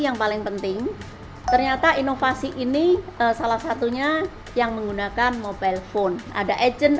yang paling penting ternyata inovasi ini salah satunya yang menggunakan mobile phone ada agent